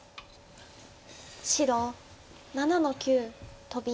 白７の九トビ。